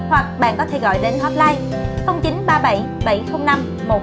hoặc bạn có thể gọi đến hotline